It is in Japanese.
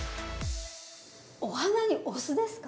お花にお酢ですか？